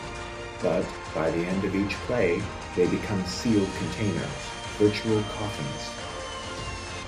But, by the end of each play, they become sealed containers, virtual coffins.